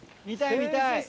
見たい見たい！